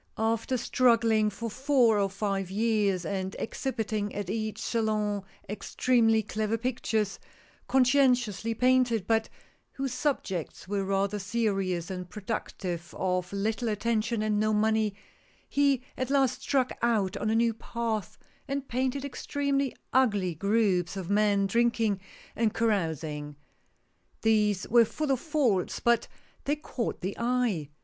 After struggling for four or five years, and exhibiting at each Salon ex tremely clever pictures, conscientiously painted, but whose subjects were rather serious, and productive of little attention and no money, he at last struck out on a new path, and painted extremely ugly groups of men drinking and carousing. These were full of faults, but they caught the eye.